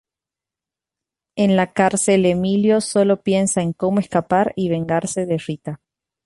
En la cárcel Emilio solo piensa en cómo escapar y vengarse de Rita.